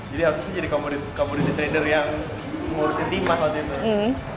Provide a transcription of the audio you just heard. jadi harusnya saya jadi commodity trader yang mengurusin timan waktu itu